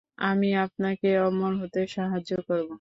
আমি আপনাকে অমর হতে সাহায্য করব!